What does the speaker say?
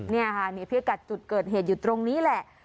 นี่ค่ะนี่พิกัดจุดเกิดเหตุอยู่ตรงนี้แหละ